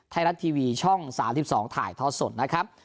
ไทยรัฐทีวีช่อง๓๒ถ่ายทอดสดนะครับ